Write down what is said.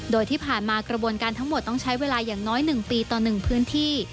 โดยที่ผ่านมากระบวนการทั้งหมดต้องใช้เวลาอย่างน้อย๑ปีต่อ๑พื้นที่